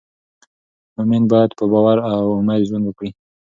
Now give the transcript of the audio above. مؤمن باید په باور او امید ژوند وکړي.